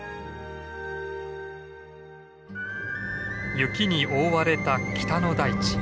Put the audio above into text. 雪に覆われた北の大地。